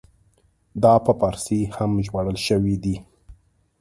دا په فارسي هم ژباړل شوی دی.